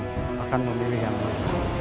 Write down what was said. aku akan memilih yang terbaik